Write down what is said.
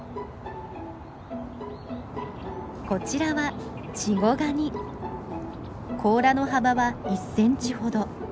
こちらは甲羅の幅は１センチほど。